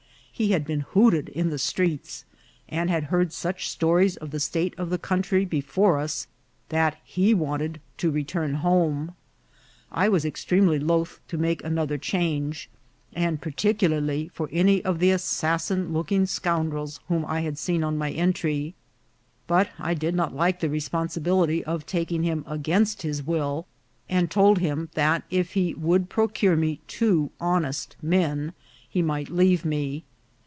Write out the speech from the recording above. He had been hooted in the streets, and had heard such stories of the state of the country before us that he wanted to return home. I was ex tremely loth to make another change, and particularly for any of the assassin looking scoundrels whom I had seen on my entry ; but I did not like the responsibility of taking him against his will, and told him that if he would procure me two honest men he might leave me.